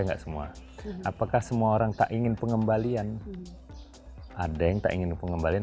enggak semua apakah semua orang tak ingin pengembalian ada yang tak ingin pengembalian